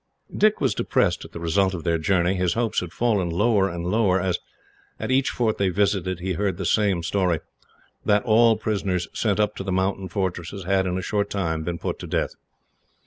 Dick was depressed at the result of their journey. His hopes had fallen lower and lower, as, at each fort they visited, he heard the same story that all prisoners sent up to the mountain fortresses had, in a short time, been put to death.